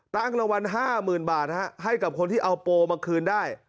ตั้งรางวัล๕๐๐๐บาทให้กับคนที่เอาโปมาคืนได้